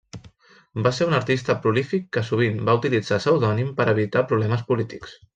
Va ser un artista prolífic que sovint va utilitzar pseudònim per a evitar problemes polítics.